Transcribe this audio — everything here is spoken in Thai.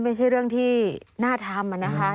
ไม่ใช่เรื่องที่น่าทำนะคะ